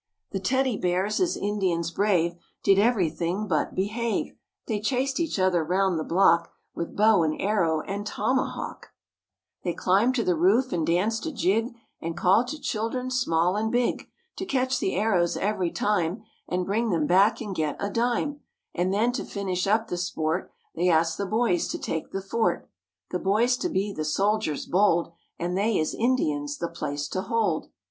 The Teddy Bears, as Indians brave. Did everything but behave; They chased each other round the Block With bow and arrow and tomahawk; ■ jms It H 11 il N m B BH MORE ABOUT THE ROOSEVELT BEARS ■ THE BEARS IN PITTSBURG 155 They climbed to the roof and danced a jig And called to children small and big To catch the arrows every time And bring them back and get a dime; And then to finish up the sport They asked the boys to take the fort: The boys to be the soldiers bold And they as Indians the place to hold.